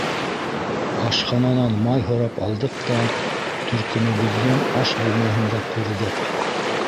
Ашхананан май һорап алдыҡ та, төркөмөбөҙҙөң аш бүлмәһендә ҡурҙыҡ.